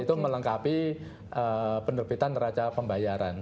itu melengkapi penerbitan neraca pembayaran